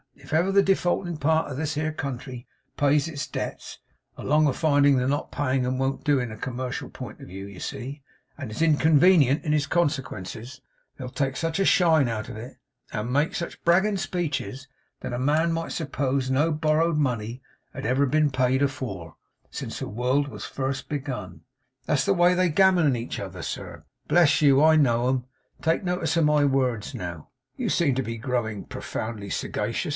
If ever the defaulting part of this here country pays its debts along of finding that not paying 'em won't do in a commercial point of view, you see, and is inconvenient in its consequences they'll take such a shine out of it, and make such bragging speeches, that a man might suppose no borrowed money had ever been paid afore, since the world was first begun. That's the way they gammon each other, sir. Bless you, I know 'em. Take notice of my words, now!' 'You seem to be growing profoundly sagacious!